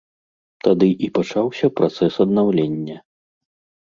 Тады і пачаўся працэс аднаўлення.